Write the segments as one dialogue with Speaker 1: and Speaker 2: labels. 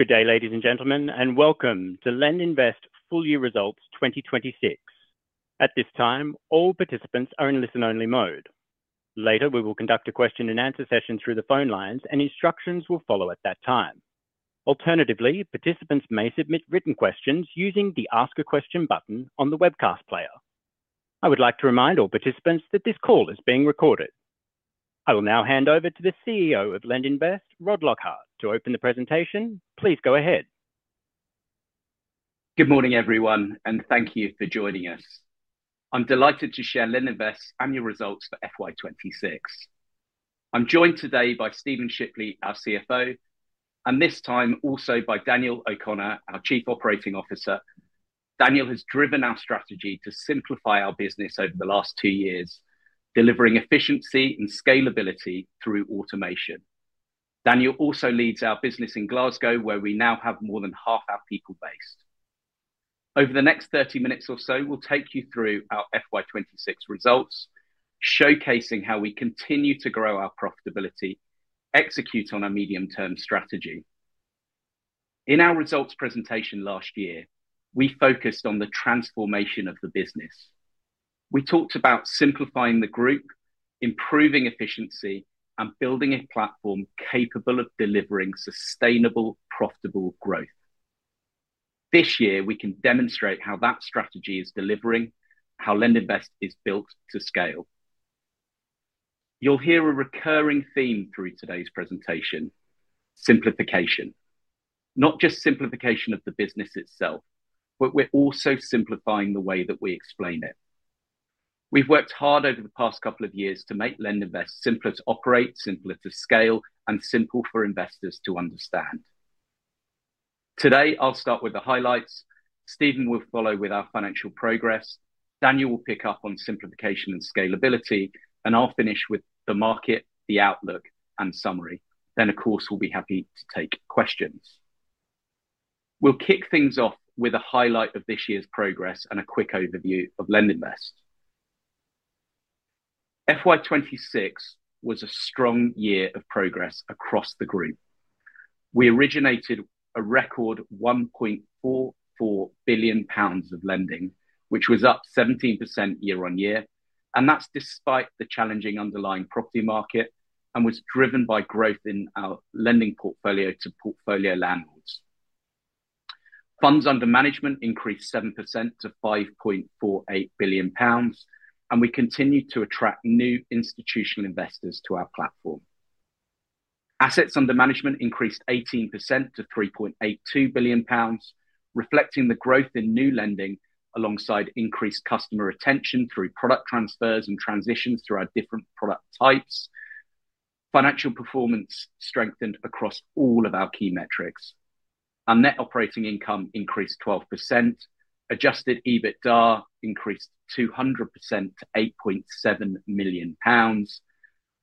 Speaker 1: Good day, ladies and gentlemen, and welcome to LendInvest Full Year Results 2026. At this time, all participants are in listen-only mode. Later, we will conduct a question and answer session through the phone lines, and instructions will follow at that time. Alternatively, participants may submit written questions using the Ask a Question button on the webcast player. I would like to remind all participants that this call is being recorded. I will now hand over to the CEO of LendInvest, Rod Lockhart, to open the presentation. Please go ahead.
Speaker 2: Good morning, everyone. Thank you for joining us. I'm delighted to share LendInvest's annual results for FY 2026. I'm joined today by Stephen Shipley, our CFO, this time also by Daniel O'Connor, our Chief Operating Officer. Daniel has driven our strategy to simplify our business over the last two years, delivering efficiency and scalability through automation. Daniel also leads our business in Glasgow, where we now have more than half our people based. Over the next 30 minutes or so, we'll take you through our FY 2026 results, showcasing how we continue to grow our profitability, execute on our medium-term strategy. In our results presentation last year, we focused on the transformation of the business. We talked about simplifying the group, improving efficiency, building a platform capable of delivering sustainable, profitable growth. This year, we can demonstrate how that strategy is delivering, how LendInvest is built to scale. You'll hear a recurring theme through today's presentation: simplification. Not just simplification of the business itself, we're also simplifying the way that we explain it. We've worked hard over the past couple of years to make LendInvest simpler to operate, simpler to scale, and simple for investors to understand. Today, I'll start with the highlights. Stephen will follow with our financial progress. Daniel will pick up on simplification and scalability, I'll finish with the market, the outlook, and summary. Of course, we'll be happy to take questions. We'll kick things off with a highlight of this year's progress a quick overview of LendInvest. FY 2026 was a strong year of progress across the group. We originated a record 1.44 billion pounds of lending, which was up 17% year-on-year. That's despite the challenging underlying property market was driven by growth in our lending portfolio to portfolio landlords. Funds under management increased 7% to 5.48 billion pounds, we continued to attract new institutional investors to our platform. Assets under management increased 18% to 3.82 billion pounds, reflecting the growth in new lending alongside increased customer retention through product transfers and transitions through our different product types. Financial performance strengthened across all of our key metrics. Our net operating income increased 12%. Adjusted EBITDA increased 200% to 8.7 million pounds.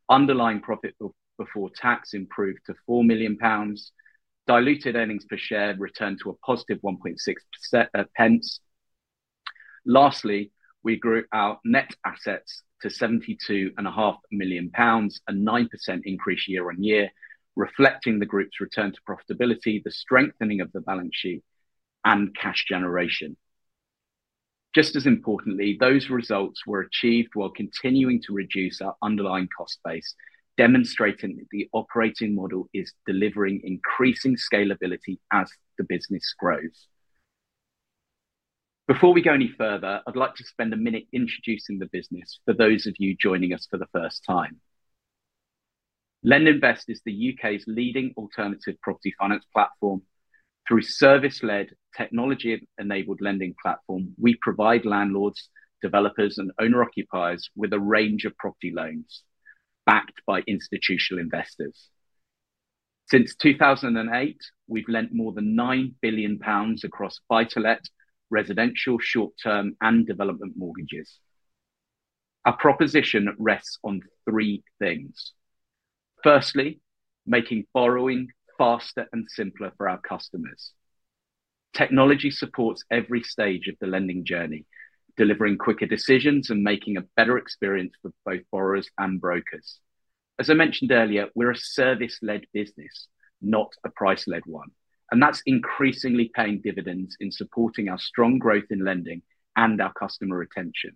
Speaker 2: Underlying profit before tax improved to 4 million pounds. Diluted earnings per share returned to a +0.016. Lastly, we grew our net assets to 72.5 million pounds, a 9% increase year-on-year, reflecting the group's return to profitability, the strengthening of the balance sheet, cash generation. Just as importantly, those results were achieved while continuing to reduce our underlying cost base, demonstrating that the operating model is delivering increasing scalability as the business grows. Before we go any further, I'd like to spend a minute introducing the business for those of you joining us for the first time. LendInvest is the U.K.'s leading alternative property finance platform. Through service-led, technology-enabled lending platform, we provide landlords, developers, and owner-occupiers with a range of property loans backed by institutional investors. Since 2008, we've lent more than 9 billion pounds across buy-to-let, residential, short-term, and development mortgages. Our proposition rests on three things. Firstly, making borrowing faster and simpler for our customers. Technology supports every stage of the lending journey, delivering quicker decisions and making a better experience for both borrowers and brokers. As I mentioned earlier, we're a service-led business, not a price-led one, That's increasingly paying dividends in supporting our strong growth in lending and our customer retention.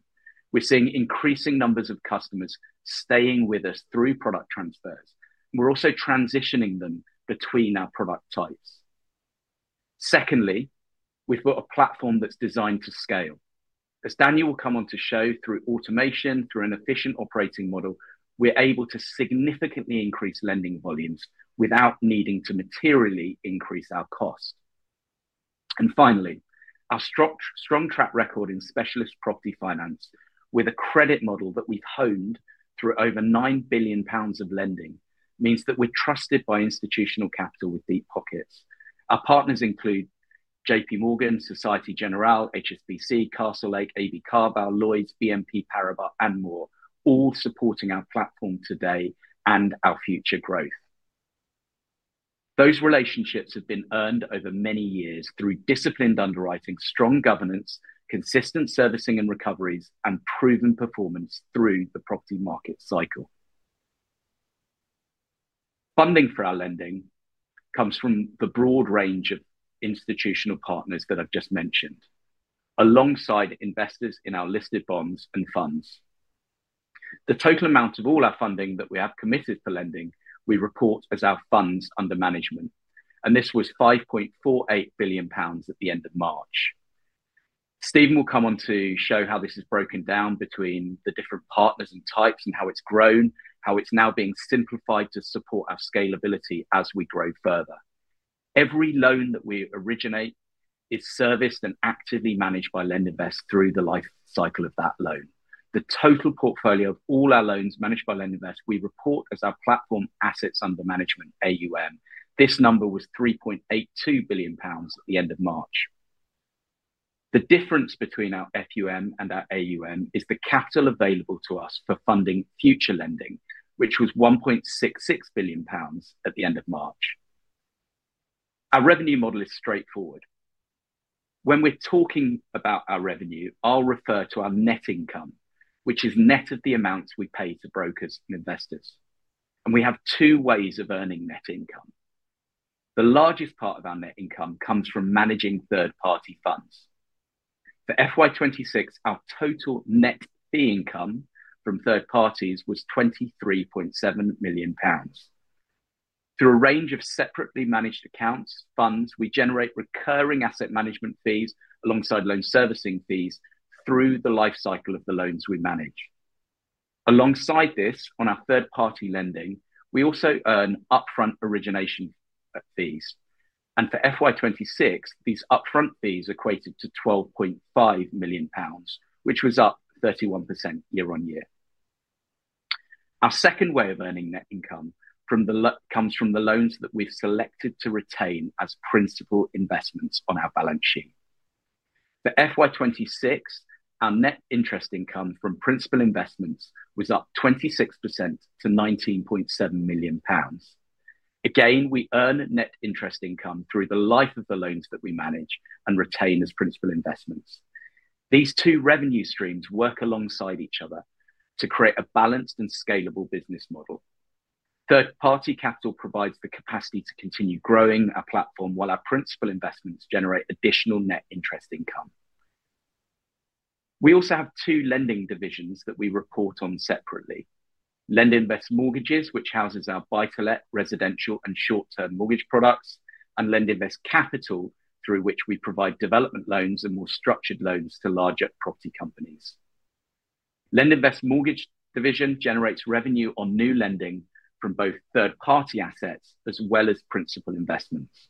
Speaker 2: We're seeing increasing numbers of customers staying with us through product transfers. We're also transitioning them between our product types. Secondly, we've got a platform that's designed to scale. As Daniel will come on to show through automation, through an efficient operating model, we're able to significantly increase lending volumes without needing to materially increase our cost. Finally, our strong track record in specialist property finance with a credit model that we've honed through over 9 billion pounds of lending means that we're trusted by institutional capital with deep pockets. Our partners include JPMorgan, Société Générale, HSBC, Castlelake, AB CarVal, Lloyds, BNP Paribas, and more, all supporting our platform today and our future growth. Those relationships have been earned over many years through disciplined underwriting, strong governance, consistent servicing and recoveries, and proven performance through the property market cycle. Funding for our lending comes from the broad range of institutional partners that I've just mentioned, alongside investors in our listed bonds and funds. The total amount of all our funding that we have committed to lending, we report as our funds under management, this was 5.48 billion pounds at the end of March. Stephen will come on to show how this is broken down between the different partners and types and how it's grown, how it's now being simplified to support our scalability as we grow further. Every loan that we originate is serviced and actively managed by LendInvest through the life cycle of that loan. The total portfolio of all our loans managed by LendInvest, we report as our platform assets under management, AUM. This number was 3.82 billion pounds at the end of March. The difference between our FUM and our AUM is the capital available to us for funding future lending, which was 1.66 billion pounds at the end of March. Our revenue model is straightforward. When we're talking about our revenue, I'll refer to our net income, which is net of the amounts we pay to brokers and investors. We have two ways of earning net income. The largest part of our net income comes from managing third-party funds. For FY 2026, our total net fee income from third parties was 23.7 million pounds. Through a range of separately managed accounts, funds, we generate recurring asset management fees alongside loan servicing fees through the life cycle of the loans we manage. Alongside this, on our third-party lending, we also earn upfront origination fees. For FY 2026, these upfront fees equated to 12.5 million pounds, which was up 31% year-over-year. Our second way of earning net income comes from the loans that we've selected to retain as principal investments on our balance sheet. For FY 2026, our net interest income from principal investments was up 26% to 19.7 million pounds. Again, we earn net interest income through the life of the loans that we manage and retain as principal investments. These two revenue streams work alongside each other to create a balanced and scalable business model. Third-party capital provides the capacity to continue growing our platform while our principal investments generate additional net interest income. We also have two lending divisions that we report on separately. LendInvest Mortgages, which houses our buy-to-let, residential, and short-term mortgage products, and LendInvest Capital, through which we provide development loans and more structured loans to larger property companies. LendInvest Mortgage Division generates revenue on new lending from both third-party assets as well as principal investments.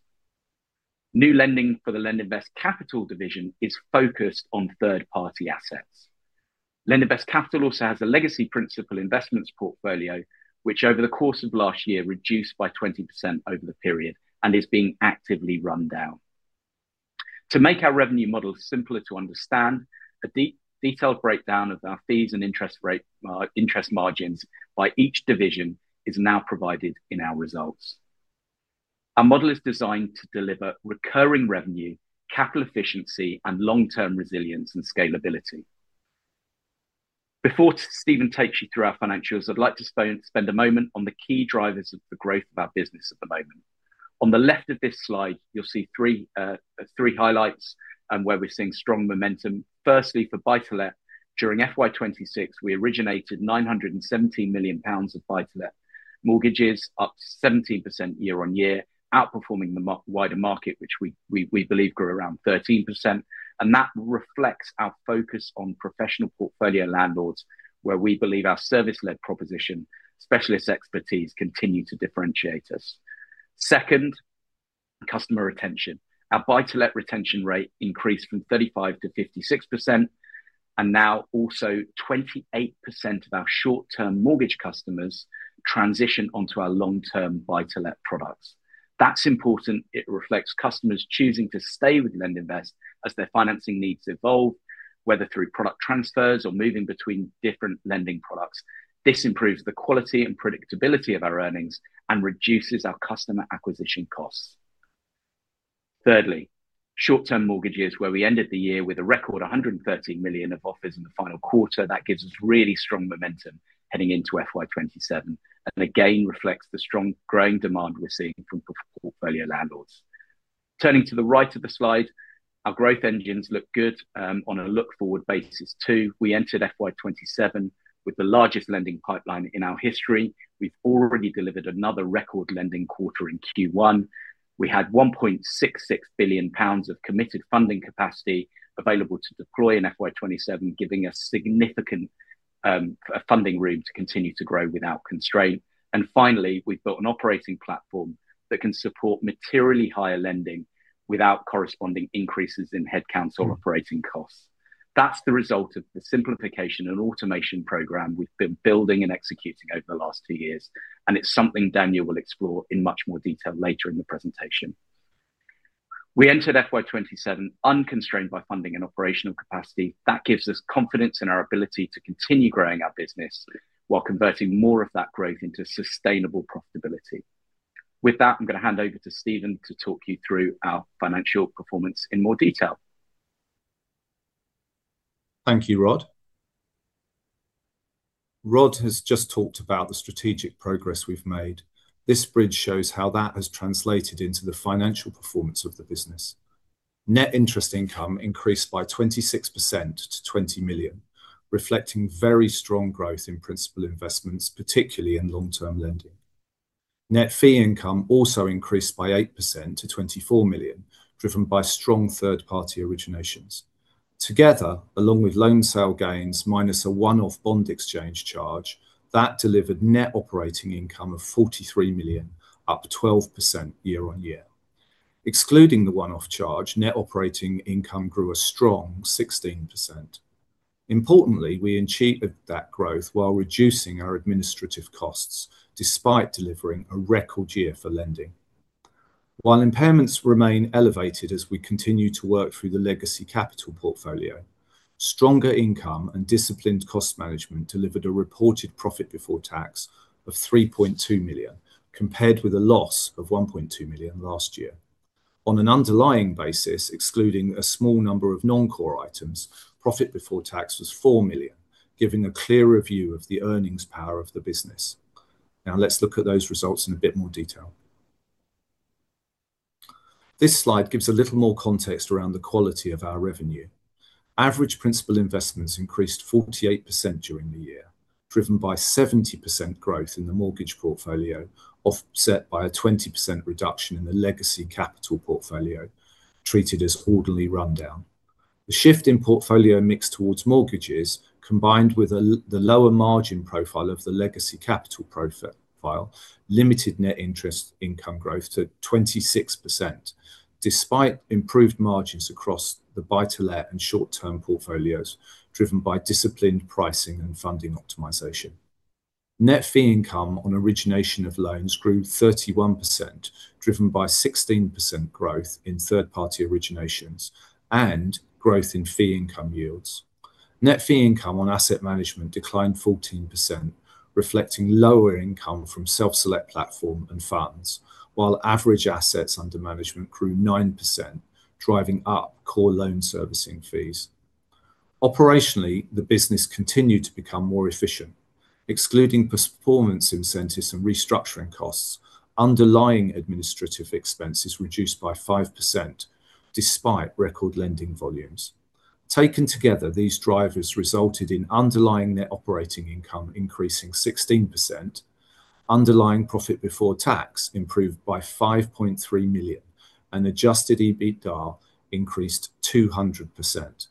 Speaker 2: New lending for the LendInvest Capital Division is focused on third-party assets. LendInvest Capital also has a legacy principal investments portfolio, which over the course of last year, reduced by 20% over the period and is being actively run down. To make our revenue model simpler to understand, a detailed breakdown of our fees and interest margins by each division is now provided in our results. Our model is designed to deliver recurring revenue, capital efficiency, and long-term resilience and scalability. Before Stephen takes you through our financials, I'd like to spend a moment on the key drivers of the growth of our business at the moment. On the left of this slide, you'll see three highlights and where we're seeing strong momentum. Firstly, for buy-to-let, during FY 2026, we originated 917 million pounds of buy-to-let mortgages, up 17% year-over-year, outperforming the wider market, which we believe grew around 13%. That reflects our focus on professional portfolio landlords, where we believe our service-led proposition specialist expertise continue to differentiate us. Second, customer retention. Our buy-to-let retention rate increased from 35% to 56%, and now also 28% of our short-term mortgage customers transition onto our long-term buy-to-let products. That's important. It reflects customers choosing to stay with LendInvest as their financing needs evolve, whether through product transfers or moving between different lending products. This improves the quality and predictability of our earnings and reduces our customer acquisition costs. Thirdly, short-term mortgages, where we ended the year with a record 113 million of offers in the final quarter. That gives us really strong momentum heading into FY 2027 and again reflects the strong growing demand we're seeing from portfolio landlords. Turning to the right of the slide, our growth engines look good on a look-forward basis, too. We entered FY 2027 with the largest lending pipeline in our history. We've already delivered another record lending quarter in Q1. We had 1.66 billion pounds of committed funding capacity available to deploy in FY 2027, giving us significant funding room to continue to grow without constraint. Finally, we've built an operating platform that can support materially higher lending without corresponding increases in headcount or operating costs. That's the result of the simplification and automation program we've been building and executing over the last two years, it's something Daniel will explore in much more detail later in the presentation. We entered FY 2027 unconstrained by funding and operational capacity. That gives us confidence in our ability to continue growing our business while converting more of that growth into sustainable profitability. With that, I'm going to hand over to Stephen to talk you through our financial performance in more detail
Speaker 3: Thank you, Rod. Rod has just talked about the strategic progress we've made. This bridge shows how that has translated into the financial performance of the business. Net interest income increased by 26% to 20 million, reflecting very strong growth in principal investments, particularly in long-term lending. Net fee income also increased by 8% to 24 million, driven by strong third-party originations. Together, along with loan sale gains, minus a one-off bond exchange charge, that delivered net operating income of 43 million, up 12% year-on-year. Excluding the one-off charge, net operating income grew a strong 16%. Importantly, we achieved that growth while reducing our administrative costs, despite delivering a record year for lending. While impairments remain elevated as we continue to work through the legacy capital portfolio, stronger income and disciplined cost management delivered a reported profit before tax of 3.2 million, compared with a loss of 1.2 million last year. On an underlying basis, excluding a small number of non-core items, profit before tax was 4 million, giving a clearer view of the earnings power of the business. Let's look at those results in a bit more detail. This slide gives a little more context around the quality of our revenue. Average principal investments increased 48% during the year, driven by 70% growth in the mortgage portfolio, offset by a 20% reduction in the legacy capital portfolio, treated as orderly rundown. The shift in portfolio mix towards mortgages, combined with the lower margin profile of the legacy capital profile, limited net interest income growth to 26%, despite improved margins across the buy-to-let and short-term portfolios, driven by disciplined pricing and funding optimization. Net fee income on origination of loans grew 31%, driven by 16% growth in third-party originations and growth in fee income yields. Net fee income on asset management declined 14%, reflecting lower income from Self-Select platform and funds, while average assets under management grew 9%, driving up core loan servicing fees. Operationally, the business continued to become more efficient. Excluding performance incentives and restructuring costs, underlying administrative expenses reduced by 5%, despite record lending volumes. Taken together, these drivers resulted in underlying net operating income increasing 16%, underlying profit before tax improved by 5.3 million, and adjusted EBITDA increased 200%.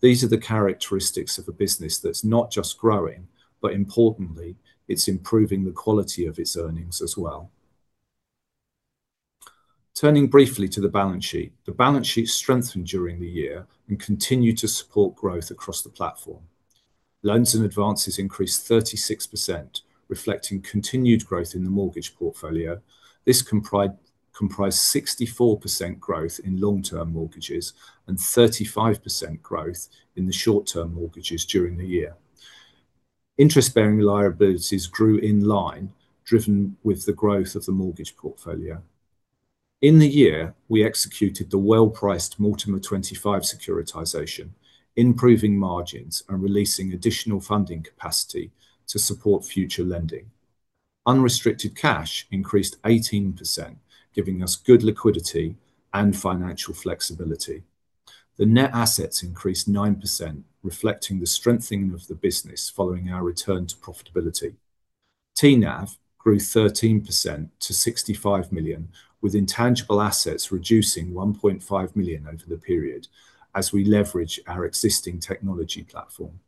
Speaker 3: These are the characteristics of a business that's not just growing, but importantly, it's improving the quality of its earnings as well. Turning briefly to the balance sheet. The balance sheet strengthened during the year and continued to support growth across the platform. Loans and advances increased 36%, reflecting continued growth in the mortgage portfolio. This comprised 64% growth in long-term mortgages and 35% growth in the short-term mortgages during the year. Interest-bearing liabilities grew in line, driven with the growth of the mortgage portfolio. In the year, we executed the well-priced Mortimer 25 securitization, improving margins and releasing additional funding capacity to support future lending. Unrestricted cash increased 18%, giving us good liquidity and financial flexibility. The net assets increased 9%, reflecting the strengthening of the business following our return to profitability. TNAV grew 13% to 65 million, with intangible assets reducing 1.5 million over the period as we leverage our existing technology platform.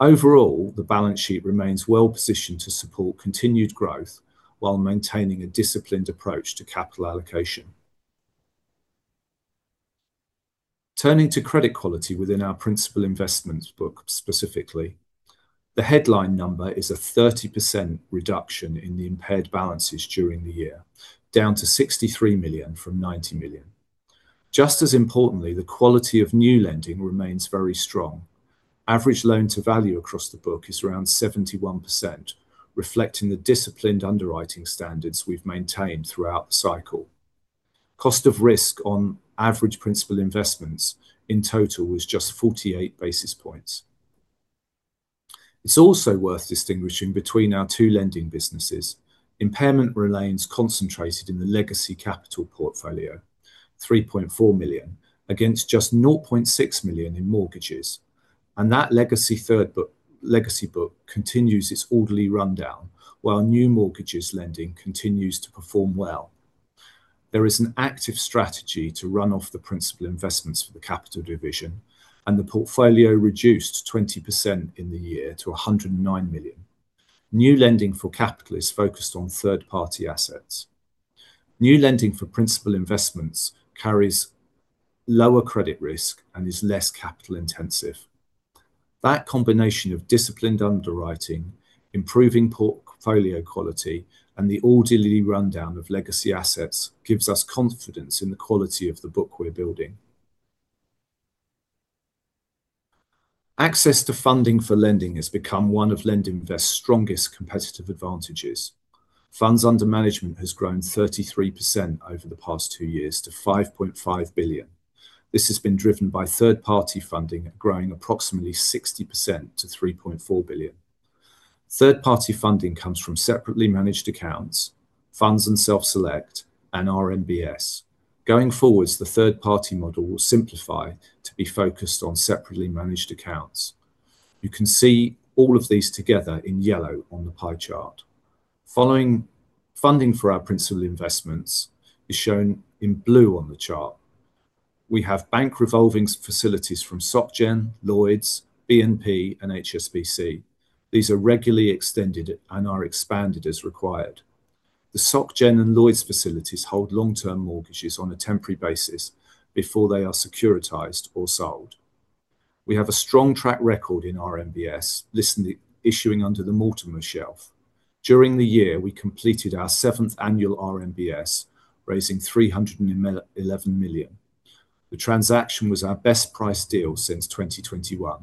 Speaker 3: Overall, the balance sheet remains well-positioned to support continued growth while maintaining a disciplined approach to capital allocation. Turning to credit quality within our principal investments book specifically, the headline number is a 30% reduction in the impaired balances during the year, down to 63 million from 90 million. Just as importantly, the quality of new lending remains very strong. Average loan to value across the book is around 71%, reflecting the disciplined underwriting standards we've maintained throughout the cycle. Cost of risk on average principal investments in total was just 48 basis points. It's also worth distinguishing between our two lending businesses. Impairment remains concentrated in the legacy Capital portfolio, 3.4 million, against just 0.6 million in mortgages. That legacy book continues its orderly rundown, while new mortgages lending continues to perform well. There is an active strategy to run off the principal investments for the Capital division, and the portfolio reduced 20% in the year to 109 million. New lending for Capital is focused on third-party assets. New lending for principal investments carries lower credit risk and is less capital intensive. That combination of disciplined underwriting, improving portfolio quality, and the orderly rundown of legacy assets gives us confidence in the quality of the book we're building. Access to funding for lending has become one of LendInvest's strongest competitive advantages. Funds under management has grown 33% over the past two years to 5.5 billion. This has been driven by third-party funding growing approximately 60% to 3.4 billion. Third-party funding comes from separately managed accounts, funds and Self-Select, and RMBS. Going forwards, the third-party model will simplify to be focused on separately managed accounts. You can see all of these together in yellow on the pie chart. Following funding for our principal investments is shown in blue on the chart. We have bank revolving facilities from Soc Gen, Lloyds, BNP, and HSBC. These are regularly extended and are expanded as required. The Soc Gen and Lloyds facilities hold long-term mortgages on a temporary basis before they are securitized or sold. We have a strong track record in RMBS, issuing under the Mortimer shelf. During the year, we completed our seventh annual RMBS, raising 311 million. The transaction was our best-priced deal since 2021.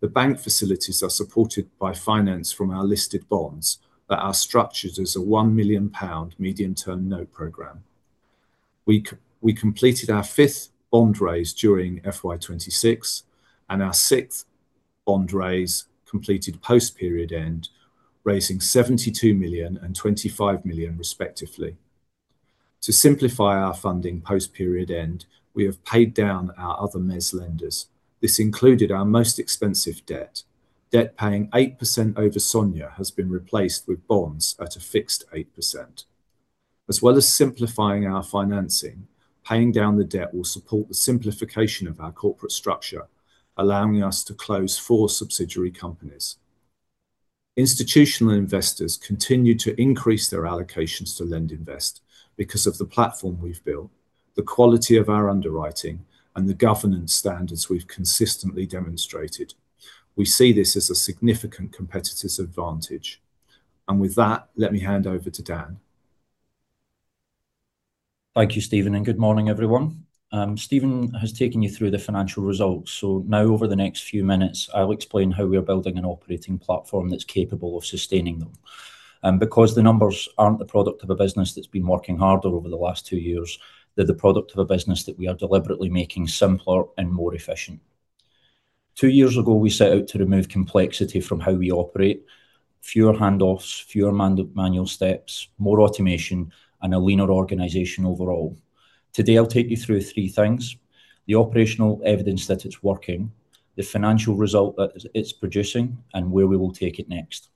Speaker 3: The bank facilities are supported by finance from our listed bonds that are structured as a 1 million pound medium-term note program. We completed our fifth bond raise during FY 2026 and our sixth bond raise completed post period end, raising 72 million and 25 million respectively. To simplify our funding post period end, we have paid down our other mezz lenders. This included our most expensive debt. Debt paying 8% over SONIA has been replaced with bonds at a fixed 8%. As well as simplifying our financing, paying down the debt will support the simplification of our corporate structure, allowing us to close four subsidiary companies. Institutional investors continue to increase their allocations to LendInvest because of the platform we've built, the quality of our underwriting, and the governance standards we've consistently demonstrated. We see this as a significant competitive advantage. With that, let me hand over to Dan.
Speaker 4: Thank you, Stephen, and good morning, everyone. Stephen has taken you through the financial results. Now over the next few minutes, I'll explain how we are building an operating platform that's capable of sustaining them. Because the numbers aren't the product of a business that's been working harder over the last two years, they're the product of a business that we are deliberately making simpler and more efficient. Two years ago, we set out to remove complexity from how we operate. Fewer handoffs, fewer manual steps, more automation, and a leaner organization overall. Today, I'll take you through three things, the operational evidence that it's working, the financial result that it's producing, and where we will take it next.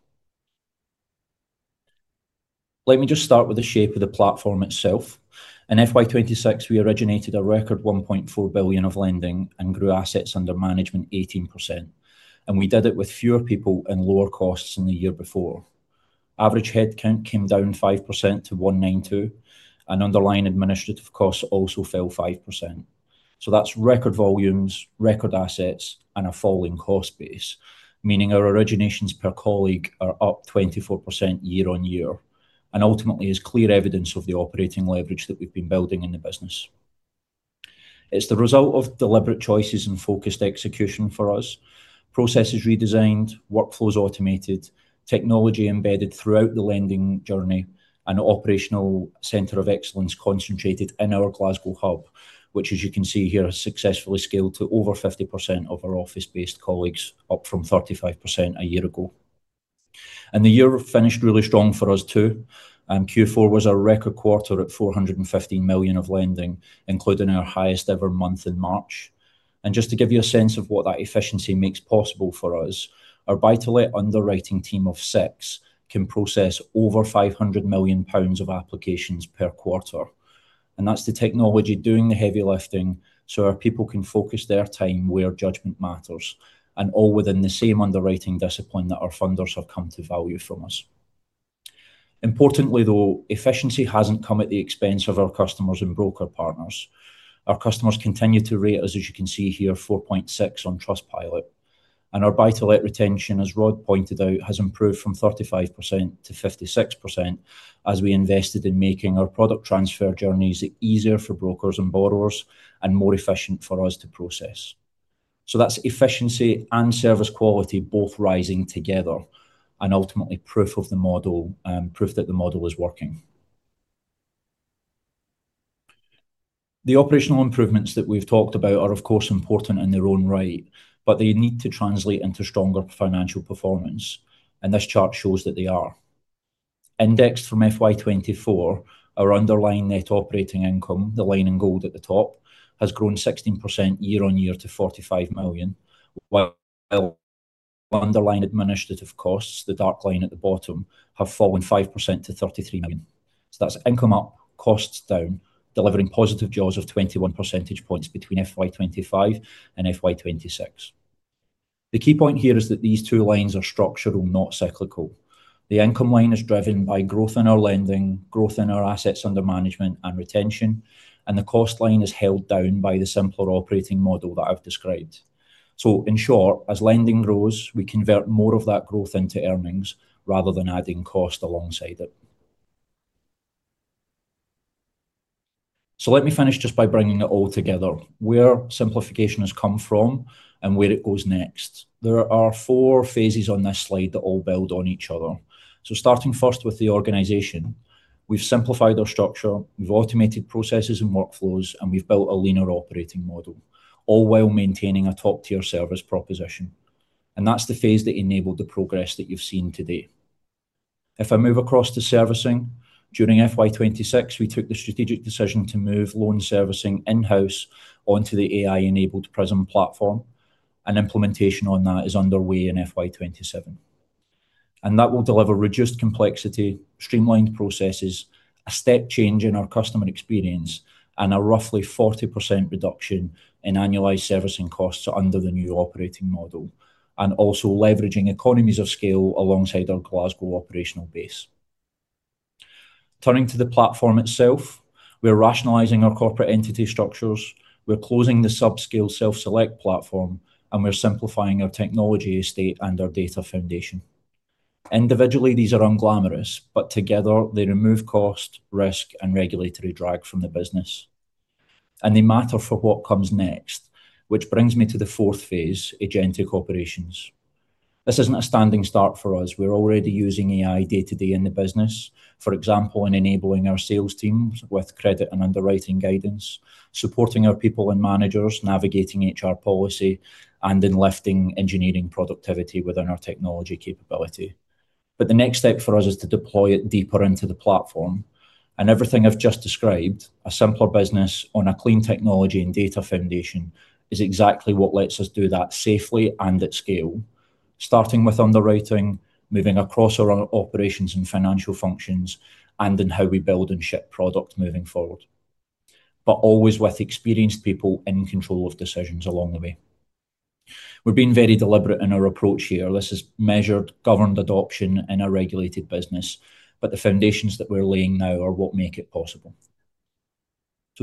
Speaker 4: Let me just start with the shape of the platform itself. In FY 2026, we originated a record 1.4 billion of lending and grew assets under management 18%, and we did it with fewer people and lower costs than the year before. Average headcount came down 5% to 192, and underlying administrative costs also fell 5%. That's record volumes, record assets, and a falling cost base, meaning our originations per colleague are up 24% year-on-year and ultimately is clear evidence of the operating leverage that we've been building in the business. It's the result of deliberate choices and focused execution for us. Processes redesigned, workflows automated, technology embedded throughout the lending journey, and operational center of excellence concentrated in our Glasgow hub, which as you can see here, has successfully scaled to over 50% of our office-based colleagues, up from 35% a year ago. The year finished really strong for us, too. Q4 was our record quarter at 415 million of lending, including our highest ever month in March. Just to give you a sense of what that efficiency makes possible for us, our buy-to-let underwriting team of six can process over 500 million pounds of applications per quarter. That's the technology doing the heavy lifting so our people can focus their time where judgment matters, and all within the same underwriting discipline that our funders have come to value from us. Importantly, though, efficiency hasn't come at the expense of our customers and broker partners. Our customers continue to rate us, as you can see here, 4.6 on Trustpilot. Our buy-to-let retention, as Rod pointed out, has improved from 35% to 56% as we invested in making our product transfer journeys easier for brokers and borrowers and more efficient for us to process. That's efficiency and service quality both rising together and ultimately proof that the model is working. The operational improvements that we've talked about are of course important in their own right, but they need to translate into stronger financial performance, and this chart shows that they are. Indexed from FY 2024, our underlying net operating income, the line in gold at the top, has grown 16% year-on-year to 45 million, while underlying administrative costs, the dark line at the bottom, have fallen 5% to 33 million. That's income up, costs down, delivering positive jaws of 21 percentage points between FY 2025 and FY 2026. The key point here is that these two lines are structural, not cyclical. The income line is driven by growth in our lending, growth in our assets under management, and retention, and the cost line is held down by the simpler operating model that I've described. In short, as lending grows, we convert more of that growth into earnings rather than adding cost alongside it. Let me finish just by bringing it all together, where simplification has come from and where it goes next. There are four phases on this slide that all build on each other. Starting first with the organization, we've simplified our structure, we've automated processes and workflows, and we've built a leaner operating model, all while maintaining a top-tier service proposition. That's the phase that enabled the progress that you've seen today. If I move across to servicing, during FY 2026, we took the strategic decision to move loan servicing in-house onto the AI-enabled Prism platform, and implementation on that is underway in FY 2027. That will deliver reduced complexity, streamlined processes, a step change in our customer experience, and a roughly 40% reduction in annualized servicing costs under the new operating model, and also leveraging economies of scale alongside our Glasgow operational base. Turning to the platform itself, we're rationalizing our corporate entity structures, we're closing the subscale Self-Select platform, and we're simplifying our technology estate and our data foundation. Individually, these are unglamorous, but together they remove cost, risk, and regulatory drag from the business. They matter for what comes next, which brings me to the fourth phase, agentic operations. This isn't a standing start for us. We're already using AI day-to-day in the business. For example, in enabling our sales teams with credit and underwriting guidance, supporting our people and managers navigating HR policy, and in lifting engineering productivity within our technology capability. The next step for us is to deploy it deeper into the platform. Everything I've just described, a simpler business on a clean technology and data foundation, is exactly what lets us do that safely and at scale. Starting with underwriting, moving across our operations and financial functions, and in how we build and ship product moving forward. Always with experienced people in control of decisions along the way. We're being very deliberate in our approach here. This is measured, governed adoption in a regulated business, but the foundations that we're laying now are what make it possible.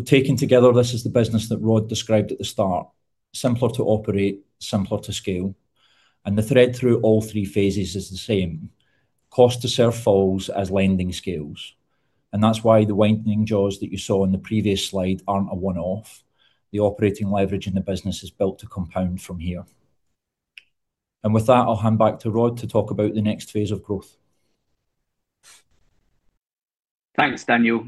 Speaker 4: Taken together, this is the business that Rod described at the start. Simpler to operate, simpler to scale. The thread through all three phases is the same. Cost to serve falls as lending scales. That's why the widening jaws that you saw in the previous slide aren't a one-off. The operating leverage in the business is built to compound from here. With that, I'll hand back to Rod to talk about the next phase of growth.
Speaker 2: Thanks, Daniel.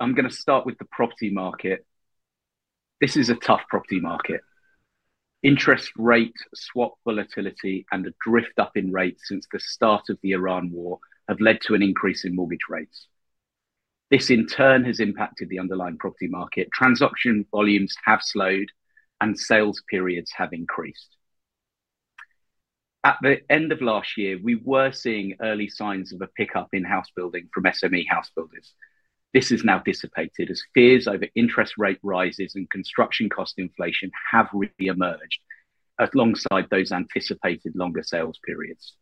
Speaker 2: I'm going to start with the property market. This is a tough property market. Interest rate, swap volatility, a drift up in rates since the start of the Iran war have led to an increase in mortgage rates. This in turn has impacted the underlying property market. Transaction volumes have slowed, and sales periods have increased. At the end of last year, we were seeing early signs of a pickup in house building from SME house builders. This has now dissipated as fears over interest rate rises and construction cost inflation have really emerged alongside those anticipated longer sales periods.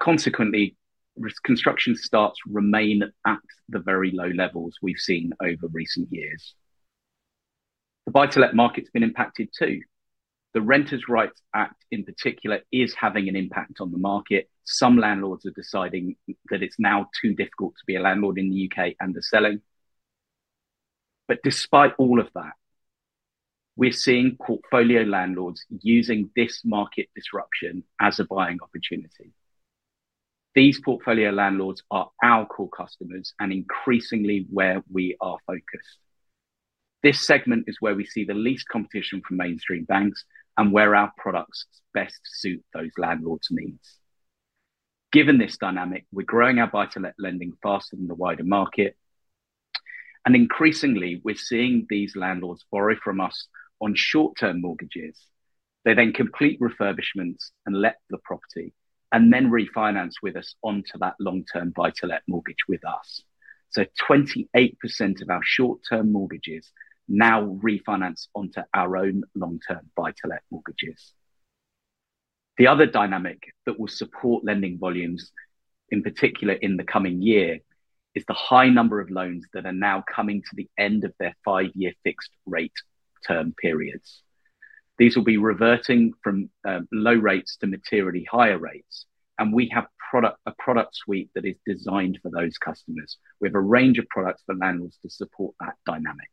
Speaker 2: Consequently, construction starts remain at the very low levels we've seen over recent years. The buy-to-let market's been impacted too. The Renters' Rights Act in particular is having an impact on the market. Some landlords are deciding that it's now too difficult to be a landlord in the U.K. and are selling. Despite all of that, we're seeing portfolio landlords using this market disruption as a buying opportunity. These portfolio landlords are our core customers and increasingly where we are focused. This segment is where we see the least competition from mainstream banks and where our products best suit those landlords' needs. Given this dynamic, we're growing our buy-to-let lending faster than the wider market. Increasingly, we're seeing these landlords borrow from us on short-term mortgages. They then complete refurbishments and let the property and then refinance with us onto that long-term buy-to-let mortgage with us. 28% of our short-term mortgages now refinance onto our own long-term buy-to-let mortgages. The other dynamic that will support lending volumes, in particular in the coming year, is the high number of loans that are now coming to the end of their five-year fixed rate term periods. These will be reverting from low rates to materially higher rates. We have a product suite that is designed for those customers. We have a range of products for landlords to support that dynamic.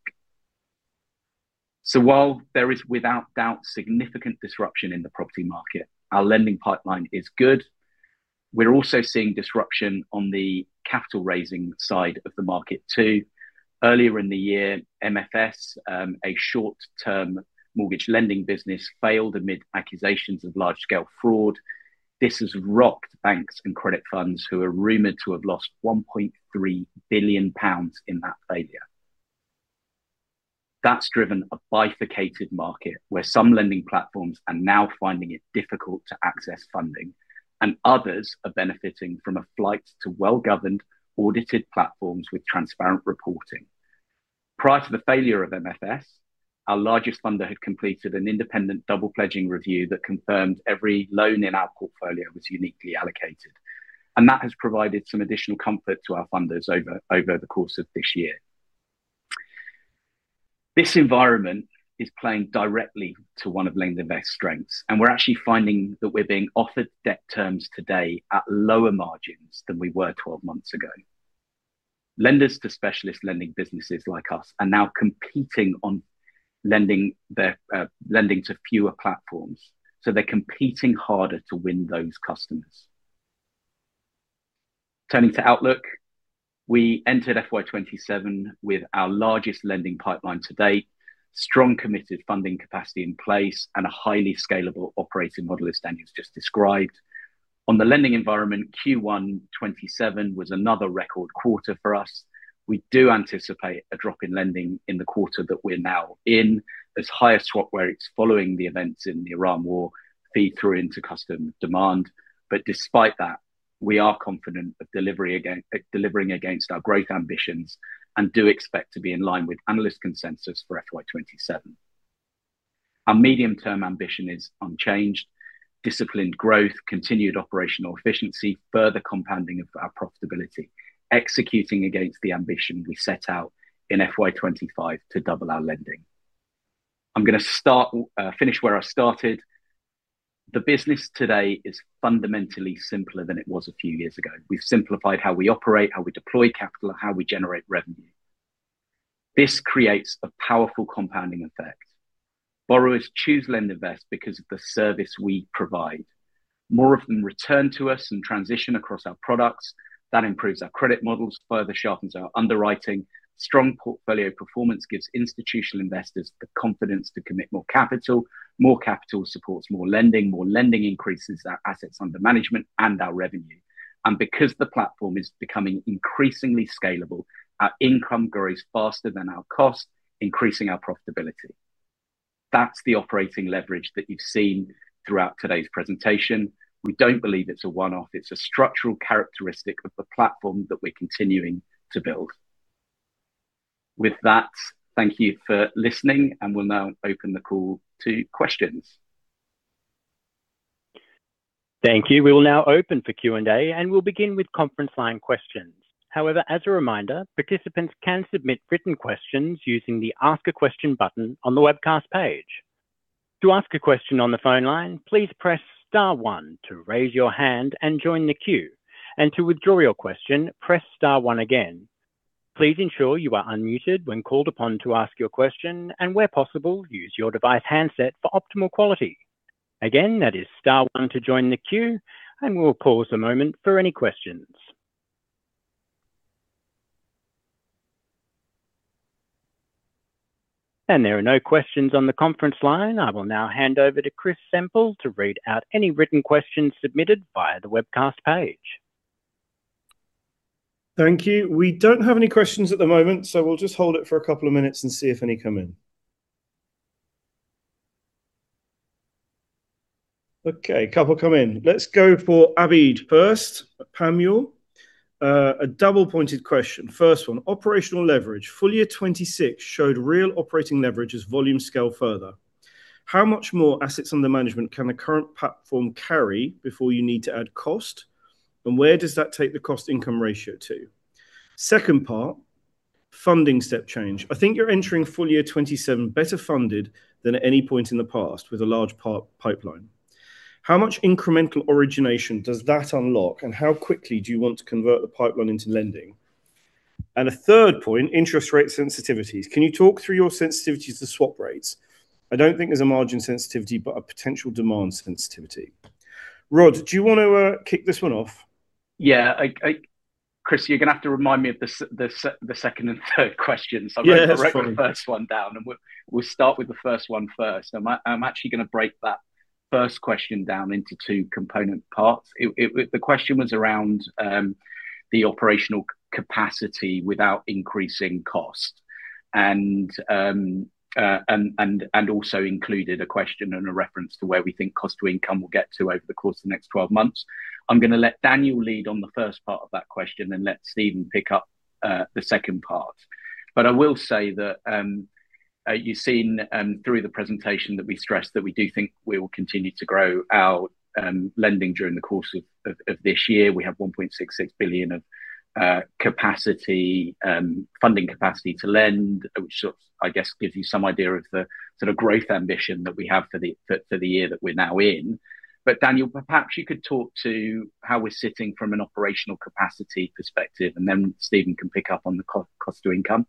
Speaker 2: While there is without doubt significant disruption in the property market, our lending pipeline is good. We're also seeing disruption on the capital-raising side of the market too. Earlier in the year, MFS, a short-term mortgage lending business, failed amid accusations of large-scale fraud. This has rocked banks and credit funds who are rumored to have lost 1.3 billion pounds in that failure. That's driven a bifurcated market where some lending platforms are now finding it difficult to access funding and others are benefiting from a flight to well-governed, audited platforms with transparent reporting. Prior to the failure of MFS, our largest funder had completed an independent double pledging review that confirmed every loan in our portfolio was uniquely allocated, and that has provided some additional comfort to our funders over the course of this year. This environment is playing directly to one of LendInvest's strengths, and we're actually finding that we're being offered debt terms today at lower margins than we were 12 months ago. Lenders to specialist lending businesses like us are now competing on lending to fewer platforms. They're competing harder to win those customers. Turning to outlook, we entered FY 2027 with our largest lending pipeline to date, strong committed funding capacity in place, and a highly scalable operating model as Daniel's just described. On the lending environment, Q1 2027 was another record quarter for us. We do anticipate a drop in lending in the quarter that we're now in as higher swap rates following the events in the Iran war feed through into customer demand. Despite that, we are confident of delivering against our growth ambitions and do expect to be in line with analyst consensus for FY 2027. Our medium-term ambition is unchanged. Disciplined growth continued operational efficiency, further compounding of our profitability, executing against the ambition we set out in FY 2025 to double our lending. I'm going to finish where I started. The business today is fundamentally simpler than it was a few years ago. We've simplified how we operate, how we deploy capital, how we generate revenue. This creates a powerful compounding effect. Borrowers choose LendInvest because of the service we provide. More of them return to us and transition across our products. That improves our credit models, further sharpens our underwriting. Strong portfolio performance gives institutional investors the confidence to commit more capital. More capital supports more lending. More lending increases our assets under management and our revenue. Because the platform is becoming increasingly scalable, our income grows faster than our costs, increasing our profitability. That's the operating leverage that you've seen throughout today's presentation. We don't believe it's a one-off. It's a structural characteristic of the platform that we're continuing to build. With that, thank you for listening, and we'll now open the call to questions.
Speaker 1: Thank you. We will now open for Q&A, and we'll begin with conference line questions. As a reminder, participants can submit written questions using the Ask a Question button on the webcast page. To ask a question on the phone line, please press star one to raise your hand and join the queue. To withdraw your question, press star one again. Please ensure you are unmuted when called upon to ask your question, and where possible, use your device handset for optimal quality. Again, that is star one to join the queue, and we'll pause a moment for any questions. There are no questions on the conference line. I will now hand over to Chris Semple to read out any written questions submitted via the webcast page.
Speaker 5: Thank you. We don't have any questions at the moment, so we'll just hold it for a couple of minutes and see if any come in. Okay, a couple come in. Let's go for Abid first at Panmure. A double-pointed question. First one, operational leverage. Full Year 2026 showed real operating leverage as volumes scale further. How much more AUM can the current platform carry before you need to add cost, and where does that take the cost income ratio to? Second part, funding step change. I think you're entering Full Year 2027 better funded than at any point in the past, with a large pipeline. How much incremental origination does that unlock, and how quickly do you want to convert the pipeline into lending? A third point, interest rate sensitivities. Can you talk through your sensitivities to swap rates? I don't think there's a margin sensitivity, but a potential demand sensitivity. Rod, do you want to kick this one off?
Speaker 2: Yeah. Chris, you're going to have to remind me of the second and third questions.
Speaker 5: Yeah, that's fine.
Speaker 2: I wrote the first one down. We'll start with the first one first. I'm actually going to break that first question down into two component parts. The question was around the operational capacity without increasing cost. Also included a question and a reference to where we think cost to income will get to over the course of the next 12 months. I'm going to let Daniel lead on the first part of that question and let Stephen pick up the second part. I will say that you've seen through the presentation that we stressed that we do think we will continue to grow our lending during the course of this year. We have 1.66 billion of funding capacity to lend, which I guess gives you some idea of the sort of growth ambition that we have for the year that we're now in. Daniel, perhaps you could talk to how we're sitting from an operational capacity perspective. Then Stephen can pick up on the cost to income.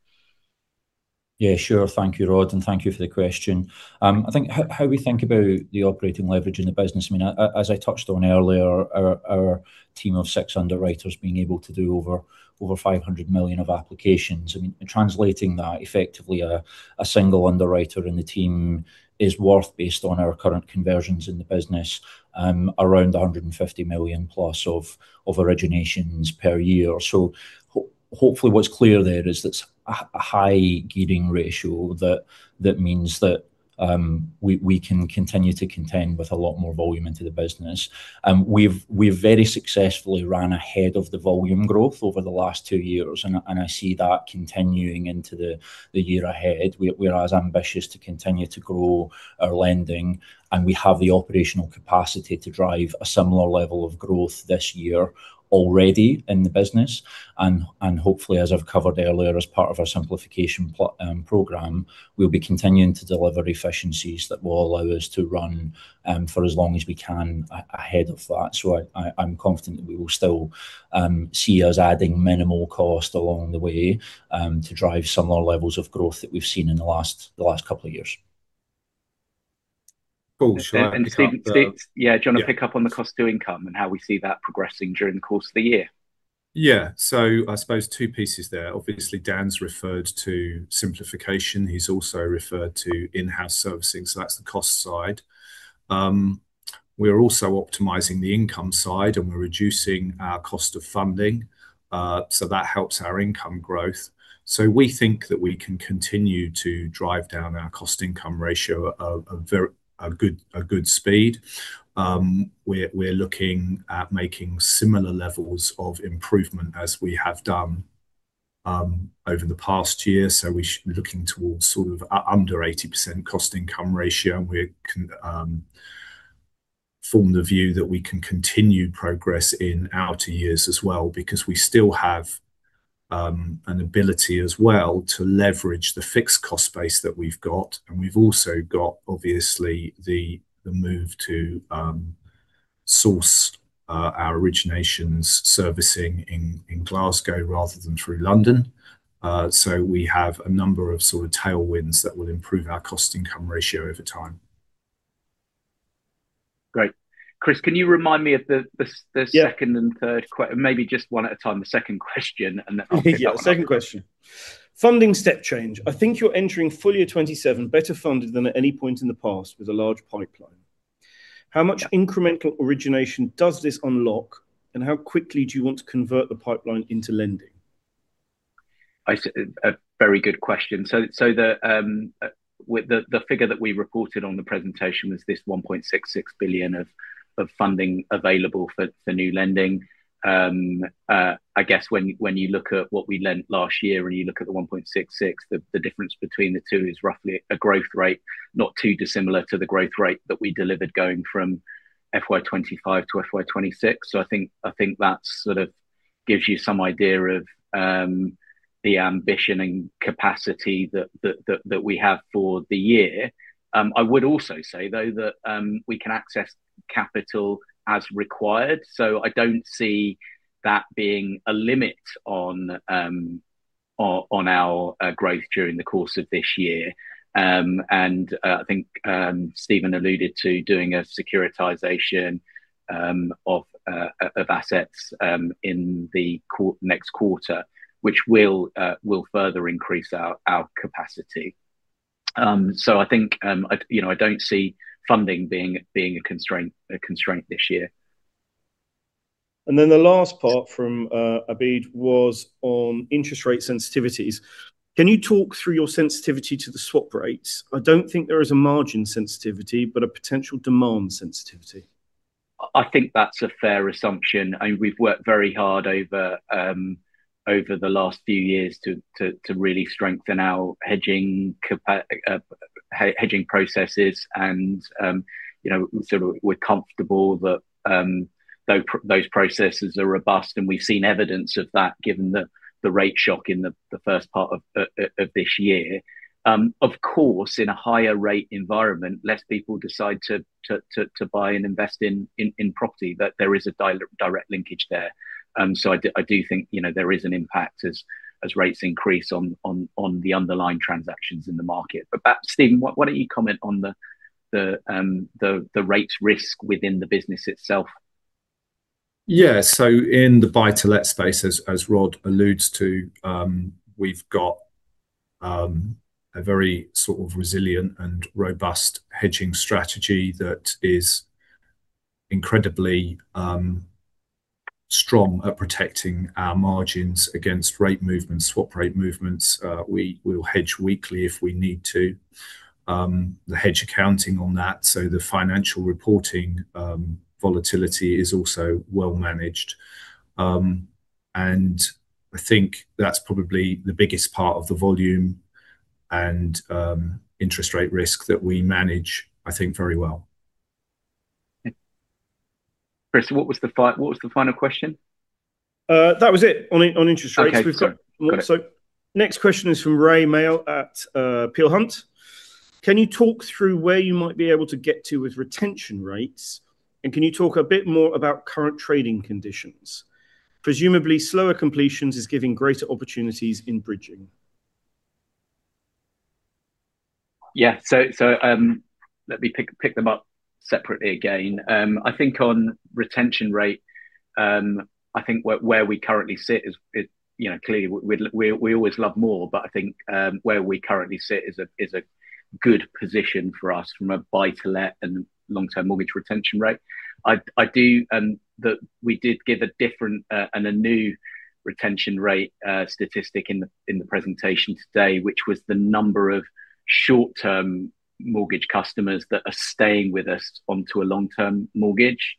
Speaker 4: Sure. Thank you, Rod, and thank you for the question. I think how we think about the operating leverage in the business, as I touched on earlier, our team of six underwriters being able to do over 500 million of applications. Translating that, effectively a single underwriter in the team is worth, based on our current conversions in the business, around 150 million+ of originations per year. Hopefully, what's clear there is that's a high gearing ratio that means that we can continue to contend with a lot more volume into the business. We've very successfully run ahead of the volume growth over the last two years. I see that continuing into the year ahead. We're as ambitious to continue to grow our lending. We have the operational capacity to drive a similar level of growth this year already in the business. Hopefully, as I've covered earlier, as part of our simplification program, we'll be continuing to deliver efficiencies that will allow us to run for as long as we can ahead of that. I'm confident that we will still see us adding minimal cost along the way to drive similar levels of growth that we've seen in the last couple of years.
Speaker 3: Cool. Shall I pick up the-
Speaker 5: Stephen, yeah, do you want to pick up on the cost to income and how we see that progressing during the course of the year?
Speaker 3: Yeah. I suppose two pieces there. Obviously, Dan's referred to simplification. He's also referred to in-house servicing. That's the cost side. We are also optimizing the income side. We're reducing our cost of funding. That helps our income growth. We think that we can continue to drive down our cost-income ratio at a very good speed. We're looking at making similar levels of improvement as we have done over the past year. We're looking towards sort of under 80% cost-income ratio. We form the view that we can continue progress in outer years as well because we still have an ability as well to leverage the fixed cost base that we've got. We've also got, obviously, the move to source our originations servicing in Glasgow rather than through London. We have a number of sort of tailwinds that will improve our cost-income ratio over time.
Speaker 2: Great. Chris, can you remind me of the
Speaker 5: Yeah
Speaker 2: Second and third, maybe just one at a time, the second question, and then I'll pick up on that.
Speaker 5: Yeah. Second question. Funding step change. I think you're entering FY 2027 better funded than at any point in the past with a large pipeline. How much incremental origination does this unlock, and how quickly do you want to convert the pipeline into lending?
Speaker 2: A very good question. The figure that we reported on the presentation was this 1.66 billion of funding available for new lending. I guess when you look at what we lent last year and you look at the 1.66 billion, the difference between the two is roughly a growth rate not too dissimilar to the growth rate that we delivered going from FY 2025 to FY 2026. I think that sort of gives you some idea of the ambition and capacity that we have for the year. I would also say, though, that we can access capital as required, so I don't see that being a limit on our growth during the course of this year. I think Stephen alluded to doing a securitization of assets in the next quarter, which will further increase our capacity. I think, I don't see funding being a constraint this year.
Speaker 5: The last part from Abid was on interest rate sensitivities. Can you talk through your sensitivity to the swap rates? I don't think there is a margin sensitivity, but a potential demand sensitivity.
Speaker 2: I think that's a fair assumption. I mean, we've worked very hard over the last few years to really strengthen our hedging processes and sort of we're comfortable that those processes are robust, and we've seen evidence of that given the rate shock in the first part of this year. Of course, in a higher rate environment, less people decide to buy and invest in property. There is a direct linkage there. I do think there is an impact as rates increase on the underlying transactions in the market. Perhaps, Stephen, why don't you comment on the rates risk within the business itself?
Speaker 3: Yeah. In the buy-to-let space, as Rod alludes to, we've got a very sort of resilient and robust hedging strategy that is incredibly strong at protecting our margins against rate movements, swap rate movements. We will hedge weekly if we need to. The hedge accounting on that, so the financial reporting volatility is also well managed. I think that's probably the biggest part of the volume and interest rate risk that we manage, I think very well.
Speaker 2: Chris, what was the final question?
Speaker 5: That was it on interest rates.
Speaker 2: Okay. Sorry. Go ahead.
Speaker 5: Next question is from Rae Maile at Peel Hunt. Can you talk through where you might be able to get to with retention rates, and can you talk a bit more about current trading conditions? Presumably, slower completions is giving greater opportunities in bridging.
Speaker 2: Yeah. Let me pick them up separately again. I think on retention rate, I think where we currently sit is, clearly we always love more, but I think where we currently sit is a good position for us from a buy-to-let and long-term mortgage retention rate. We did give a different and a new retention rate statistic in the presentation today, which was the number of short-term mortgage customers that are staying with us onto a long-term mortgage.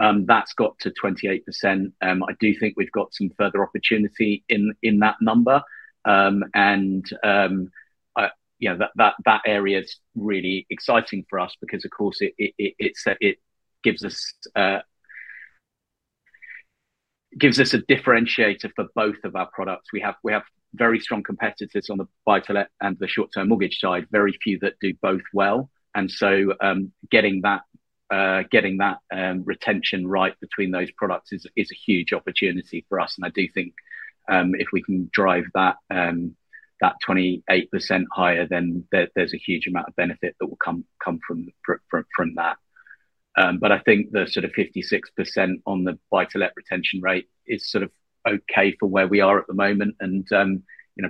Speaker 2: That's got to 28%. I do think we've got some further opportunity in that number. That area's really exciting for us because, of course, it gives us a differentiator for both of our products. We have very strong competitors on the buy-to-let and the short-term mortgage side, very few that do both well. Getting that retention right between those products is a huge opportunity for us. I do think if we can drive that 28% higher, there's a huge amount of benefit that will come from that. I think the sort of 56% on the buy-to-let retention rate is sort of okay for where we are at the moment and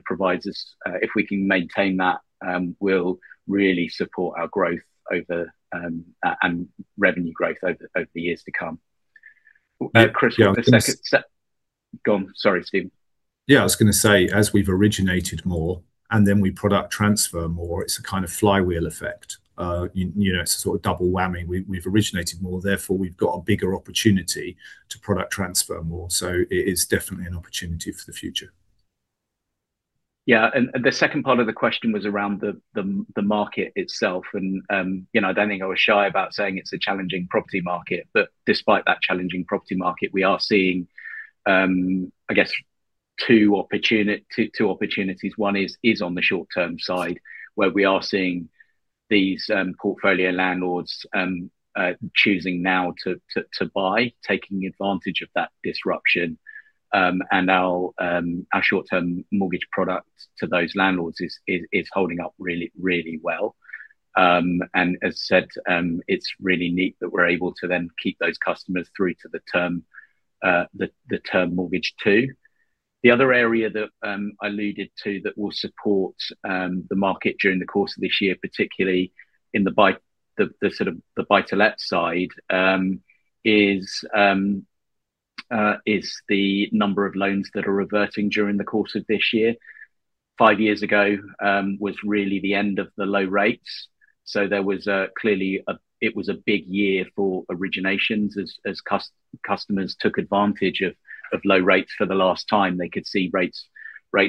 Speaker 2: provides us, if we can maintain that, will really support our growth and revenue growth over the years to come. Chris, on the second-
Speaker 3: Yeah.
Speaker 2: Go on. Sorry, Stephen.
Speaker 3: I was going to say, as we've originated more, we product transfer more, it's a kind of flywheel effect. It's a sort of double whammy. We've originated more, therefore we've got a bigger opportunity to product transfer more. It is definitely an opportunity for the future.
Speaker 2: The second part of the question was around the market itself. I don't think I was shy about saying it's a challenging property market, despite that challenging property market, we are seeing, I guess two opportunities. One is on the short-term side where we are seeing these portfolio landlords choosing now to buy, taking advantage of that disruption. Our short-term mortgage product to those landlords is holding up really well. As said, it's really neat that we're able to then keep those customers through to the term mortgage too. The other area that I alluded to that will support the market during the course of this year, particularly in the buy-to-let side, is the number of loans that are reverting during the course of this year. Five years ago was really the end of the low rates. There was clearly a big year for originations as customers took advantage of low rates for the last time. They could see rates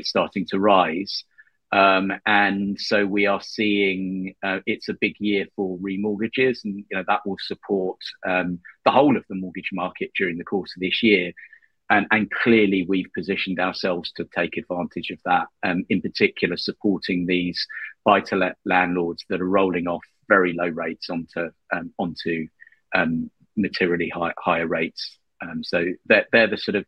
Speaker 2: starting to rise. We are seeing it's a big year for remortgages and that will support the whole of the mortgage market during the course of this year. Clearly we've positioned ourselves to take advantage of that, in particular supporting these buy-to-let landlords that are rolling off very low rates onto materially higher rates. They're the sort of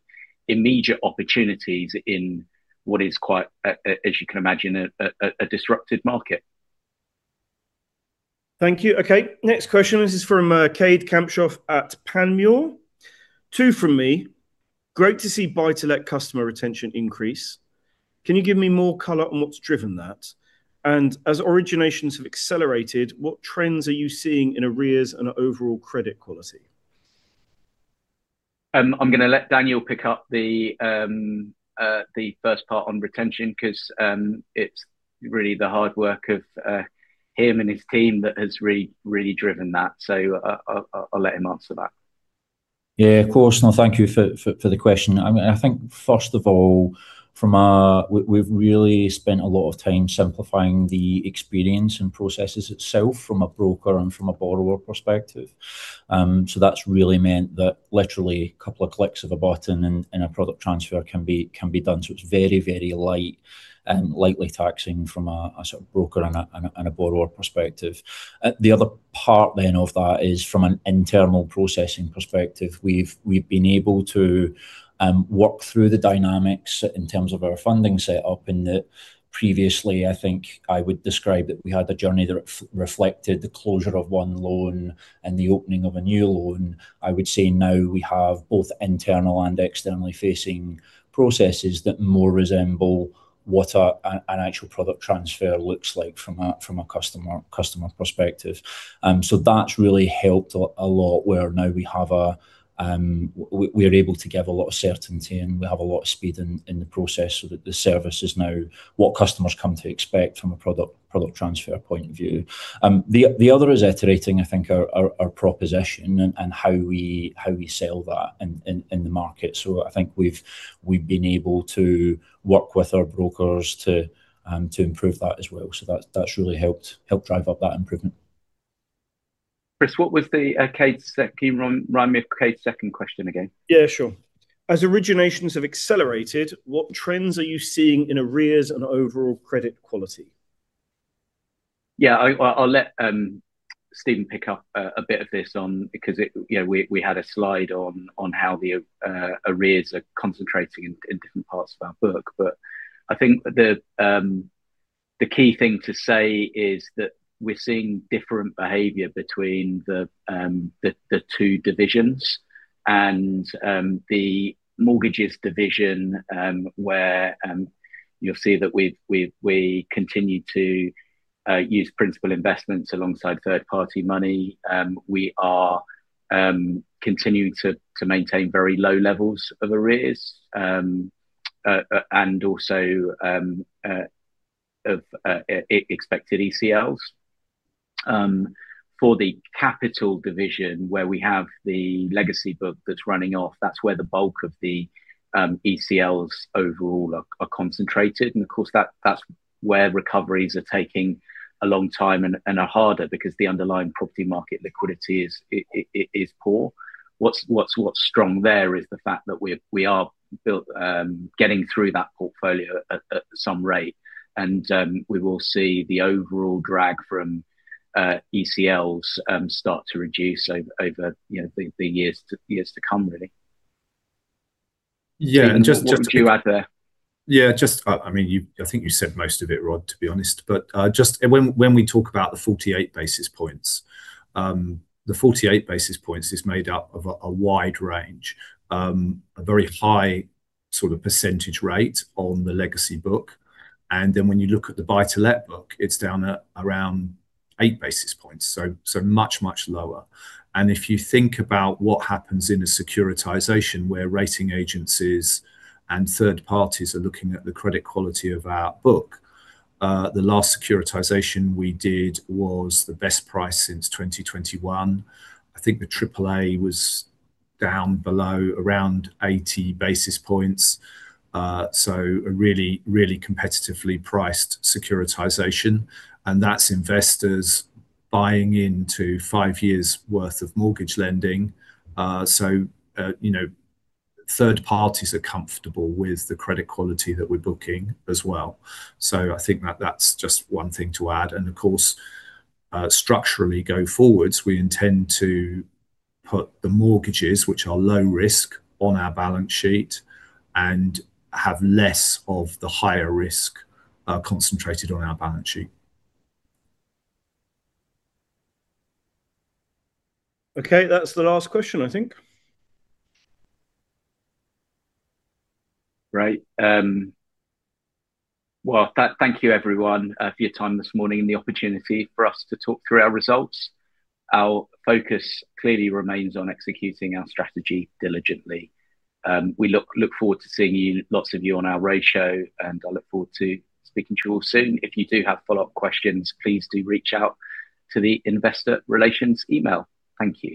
Speaker 2: immediate opportunities in what is quite, as you can imagine, a disrupted market.
Speaker 5: Thank you. Next question. This is from Kade Kampshof at Panmure. Two from me. Great to see buy-to-let customer retention increase. Can you give me more color on what's driven that? As originations have accelerated, what trends are you seeing in arrears and overall credit quality?
Speaker 2: I'm going to let Daniel pick up the first part on retention because it's really the hard work of him and his team that has really driven that. I'll let him answer that.
Speaker 4: Of course. Thank you for the question. I think first of all, we've really spent a lot of time simplifying the experience and processes itself from a broker and from a borrower perspective. That's really meant that literally couple of clicks of a button and a product transfer can be done. It's very lightly taxing from a sort of broker and a borrower perspective. The other part then of that is from an internal processing perspective. We've been able to work through the dynamics in terms of our funding set up in that previously I think I would describe it, we had a journey that reflected the closure of one loan and the opening of a new loan. I would say now we have both internal and externally facing processes that more resemble what an actual product transfer looks like from a customer perspective. That's really helped a lot where now we are able to give a lot of certainty and we have a lot of speed in the process so that the service is now what customers come to expect from a product transfer point of view. The other is iterating, I think, our proposition and how we sell that in the market. I think we've been able to work with our brokers to improve that as well. That's really helped drive up that improvement.
Speaker 2: Chris, what was Kade's second question again?
Speaker 5: Yeah, sure. As originations have accelerated, what trends are you seeing in arrears and overall credit quality?
Speaker 2: Yeah, I'll let Stephen pick up a bit of this on because we had a slide on how the arrears are concentrating in different parts of our book. I think the key thing to say is that we're seeing different behavior between the two divisions and the mortgages division where You'll see that we continue to use principal investments alongside third-party money. We are continuing to maintain very low levels of arrears, and also of expected ECLs. For the capital division, where we have the legacy book that's running off, that's where the bulk of the ECLs overall are concentrated. Of course, that's where recoveries are taking a long time and are harder because the underlying property market liquidity is poor. What is strong there is the fact that we are getting through that portfolio at some rate, and we will see the overall drag from ECLs start to reduce over the years to come, really.
Speaker 3: Yeah.
Speaker 2: What would you add there?
Speaker 3: Yeah, I think you said most of it, Rod, to be honest. When we talk about the 48 basis points, the 48 basis points is made up of a wide range. A very high sort of percentage rate on the legacy book. When you look at the buy-to-let book, it is down at around eight basis points, so much lower. If you think about what happens in a securitization where rating agencies and third parties are looking at the credit quality of our book, the last securitization we did was the best price since 2021. I think the triple A was down below around 80 basis points. A really competitively priced securitization. That is investors buying into five years' worth of mortgage lending. Third parties are comfortable with the credit quality that we are booking as well. I think that is just one thing to add. Of course, structurally, going forwards, we intend to put the mortgages, which are low risk, on our balance sheet and have less of the higher risk concentrated on our balance sheet.
Speaker 5: Okay, that's the last question, I think.
Speaker 2: Great. Thank you everyone for your time this morning and the opportunity for us to talk through our results. Our focus clearly remains on executing our strategy diligently. We look forward to seeing lots of you on our roadshow, and I look forward to speaking to you all soon. If you do have follow-up questions, please do reach out to the investor relations email. Thank you